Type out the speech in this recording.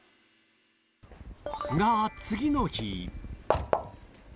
が、次の日。